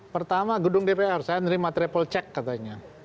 pertama gedung dpr saya menerima triple check katanya